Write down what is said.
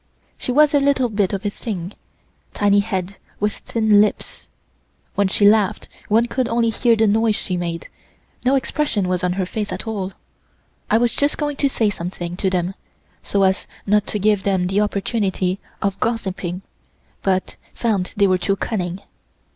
She was a little bit of a thing, tiny head with thin lips. When she laughed one could only hear the noise she made; no expression was on her face at all. I was just going to say something to them, so as not to give them the opportunity of gossiping, but found they were too cunning.